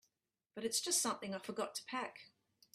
But it's just something I forgot to pack.